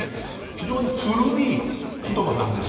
非常に古い言葉なんです。